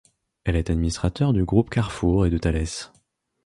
Elle est administrateur du Groupe Carrefour et de Thales.